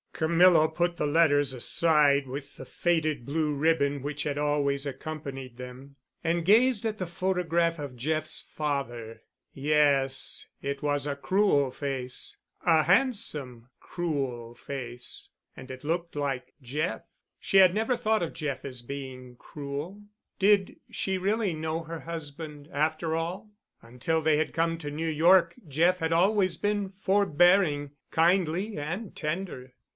Camilla put the letters aside with the faded blue ribbon which had always accompanied them and gazed at the photograph of Jeff's father. Yes, it was a cruel face—a handsome, cruel face—and it looked like Jeff. She had never thought of Jeff as being cruel. Did she really know her husband, after all? Until they had come to New York Jeff had always been forbearing, kindly, and tender.